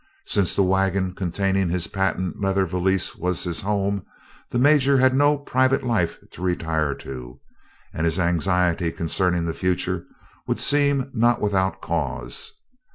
Since the wagon containing his patent leather valise was his home, the Major had no private life to retire to, and his anxiety concerning the future would seem not without cause.